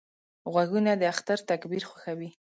غوږونه د اختر تکبیر خوښوي